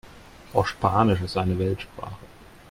Auch Spanisch ist eine Weltsprache.